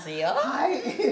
はい。